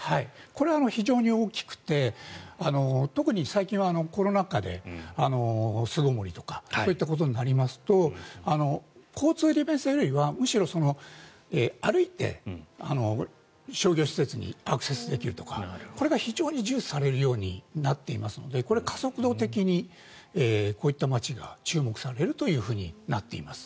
これは非常に大きくて特に最近はコロナ禍で巣ごもりとかこういったことになりますと交通利便性よりはむしろ歩いて商業施設にアクセスできるとかこれが非常に重視されるようになっていますのでこれは加速度的にこういった街が注目されるというふうになっています。